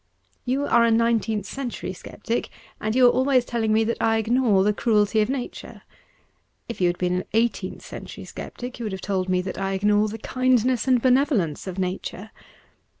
You are a nineteenth century sceptic, and you are always telling me that I ignore the cruelty of Nature. If you had been an eighteenth century sceptic you would have told me that I ignore the kindness and benevolence of Nature.